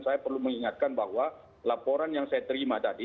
saya perlu mengingatkan bahwa laporan yang saya terima tadi